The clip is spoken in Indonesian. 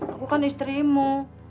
aku kan istrimu